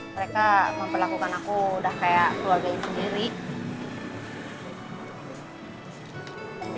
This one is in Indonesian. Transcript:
mereka memperlakukan aku udah kayak keluarganya sendiri